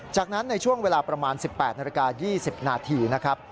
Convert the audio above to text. จากนั้นในช่วงเวลาประมาณ๑๘นาฬิกา๒๐นาทีนะครับ